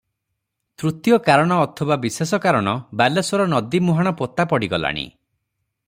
ତୃତୀୟ କାରଣ ଅଥବା ବିଶେଷ କାରଣ, ବାଲେଶ୍ୱର ନଦୀ ମୁହାଣ ପୋତା ପଡି ଗଲାଣି ।